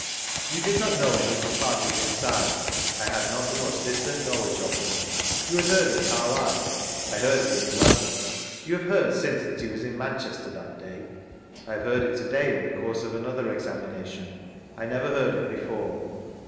You did not know any of the parties inside?— I had not the most distant knowledge of them. You had heard of Carlile?— I heard of him in London. You have heard since he was in Manchester that day? — I have heard it to^3ay, in the course of another examination. I never heard it before.